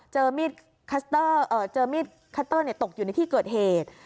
เจอมิดคัสเตอร์เอ่อเจอมิดคัสเตอร์ตกอยู่ในที่เกิดเหตุ